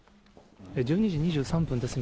１２時２３分です。